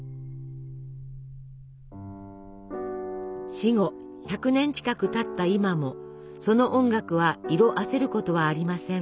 死後１００年近くたった今もその音楽は色あせることはありません。